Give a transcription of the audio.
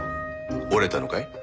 折れたのかい？